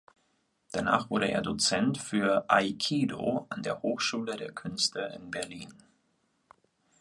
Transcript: Danach wurde er Dozent für Aikido an der Hochschule der Künste in Berlin.